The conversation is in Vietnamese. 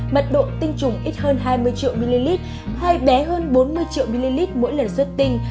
mật độ tinh trùng ít hơn hai mươi triệu ml hai bé hơn bốn mươi triệu ml mỗi lần xuất tinh